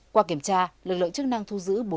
qua kiểm tra lực lượng chức năng thu giữ